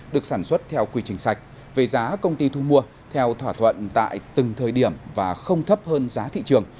được sản xuất theo quy trình sạch về giá công ty thu mua theo thỏa thuận tại từng thời điểm và không thấp hơn giá thị trường